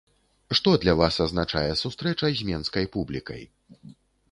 Што для вас азначае сустрэча з менскай публікай?